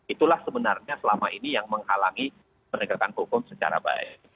itulah sebenarnya selama ini yang menghalangi penegakan hukum secara baik